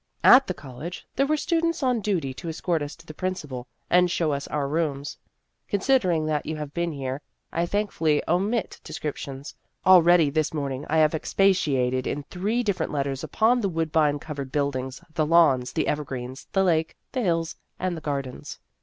" At the college, there were students on duty to escort us to the Principal, and show us our rooms. (Considering that you have been here, I thankfully omit de scriptions. Already this morning I have expatiated in three different letters upon the woodbine covered buildings, the lawns, the evergreens, the lake, the hills, and the gardens.)